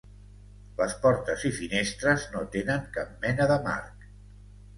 Les portes i finestres no tenen cap mena de marc.